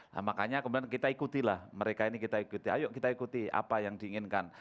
nah makanya kemudian kita ikutilah mereka ini kita ikuti ayo kita ikuti apa yang diinginkan